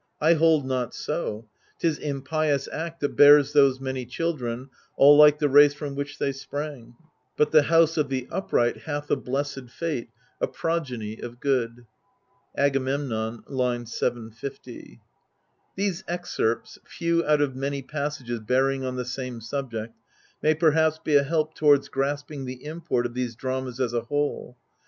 I hold not so : 'tis impious act that bears those many children, all like the race from which they sprang : but the house of the upright hath a blessed fate, a progeny of good." — Agamemnon^ L 750. These excerpts, few out of many passages bearing on the same subject, may perhaps be a help towards grasping the import of these dramas as a whole.